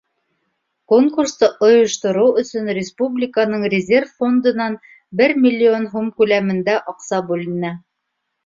Конкурсты ойоштороу өсөн республиканың резерв фондынан бер миллион һум күләмендә аҡса бүленә.